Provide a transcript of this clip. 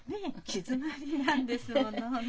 気詰まりなんですものね。